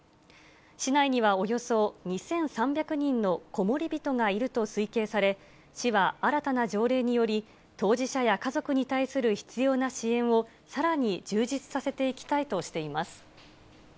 市内にはおよそ２３００人のこもりびとがいると推計され、市は新たな条例により、当事者や家族に対する必要な支援をさらに充実させていきたいとしています。